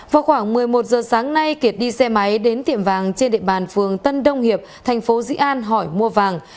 vào khoảng một mươi một giờ sáng nay kiệt đi xe máy đến tiệm vàng trên địa bàn phường tân đông hiệp thành phố dĩ an hỏi mua vàng